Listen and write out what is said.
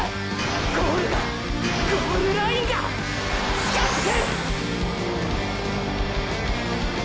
ゴールがゴールラインが近づく！！